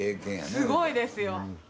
すごいですよ。